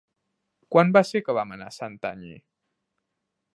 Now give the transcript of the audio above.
Quan va ser que vam anar a Santanyí?